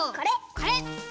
これ！